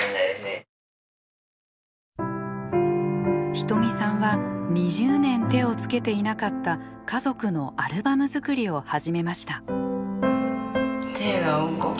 仁美さんは２０年手をつけていなかった家族のアルバム作りを始めました。